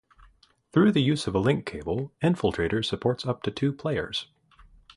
Through the use of a link cable, "Infiltrator" supports up to two players.